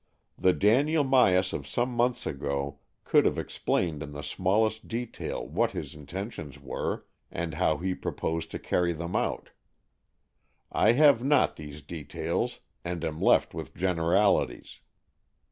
The Daniel Myas of some months ago could have explained in the smallest detail what his intentions were, and how he proposed to carry them out. I have not these details, and am left with generalities.